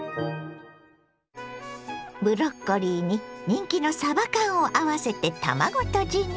ブロッコリーに人気のさば缶を合わせて卵とじに。